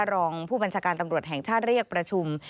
รองผู้บัญชาการตำรวจแห่งชาติเรียกประชุม